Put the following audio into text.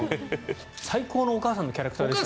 最高のお母さんのキャラクターですよね。